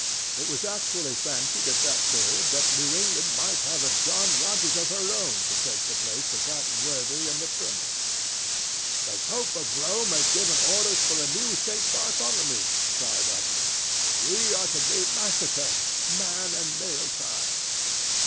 It was actually fancied at that period that New England might have a John Rogers of her own to take the place of that worthy in the Primer. "The pope of Rome has given orders for a new St. Bartholomew," cried others. "We are to be massacred, man and male child."